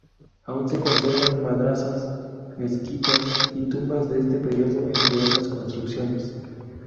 Aún se conservan madrasas, mezquitas y tumbas de este periodo, entre otras construcciones.